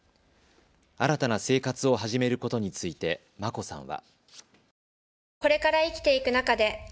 新たな生活を始めることについて眞子さんは。